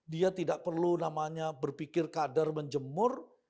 dia tidak perlu namanya berpikir kadar menjemur